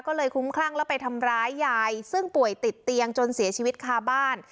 ก็เลยคลุ้มคลั่งแล้วไปทำร้ายยายซึ่งป่วยติดเตียงจนเสียชีวิตคาบ้าน